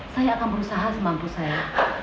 saya akan berusaha semampu saya